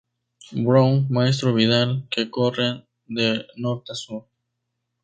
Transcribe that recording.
Brown, Maestro Vidal, que corren de norte a sur.